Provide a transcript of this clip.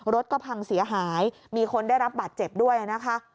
รถก็พังเสียหายมีคนได้รับบาดเจ็บด้วยนะคะ